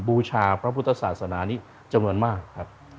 บูชาพระพุทธศาสนานี้จำนวนมากครับ